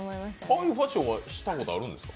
ああいうファッションはしたことあるんですか？